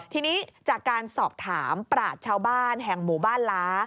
ทีนี้จากการสอบถามปราศชาวบ้านแห่งหมู่บ้านล้า